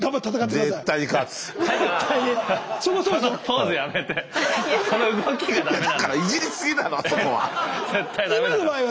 だからいじりすぎなのそこは。